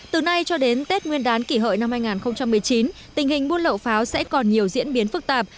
từ nay cho đến tết nguyên đán kỷ hợi năm hai nghìn một mươi chín tình hình buôn lậu pháo sẽ còn nhiều diễn biến phức tạp